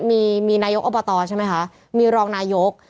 มีมีนายกอบตใช่ไหมคะมีรองนายก